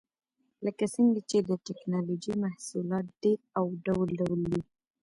لکه څنګه چې د ټېکنالوجۍ محصولات ډېر او ډول ډول دي.